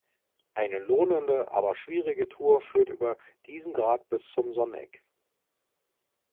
Eine lohnende, aber schwierige Tour führt über diesen Grat bis zum Sonneck.